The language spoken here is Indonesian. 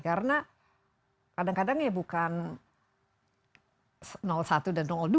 karena kadang kadang ya bukan satu dan dua